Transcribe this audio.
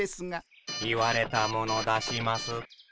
言われたもの出します。